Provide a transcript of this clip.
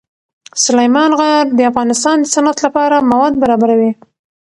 سلیمان غر د افغانستان د صنعت لپاره مواد برابروي.